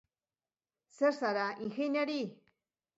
Zer zara, ingeniari?